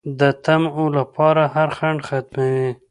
د طمعو لپاره هر خنډ ختموي